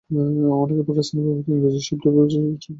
অনেকেই পাকিস্তানি ব্যবহৃত ইংরেজিতে লিখতে এবং কথা বলতে পারেন।